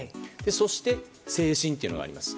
そして、制振というのがあります。